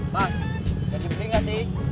mas jadi beli nggak sih